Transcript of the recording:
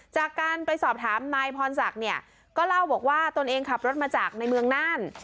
จากการไปสอบถามนายพรศักดิ์เนี่ยก็เล่าบอกว่าตนเองขับรถมาจากในเมืองน่าน